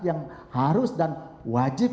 yang harus dan wajib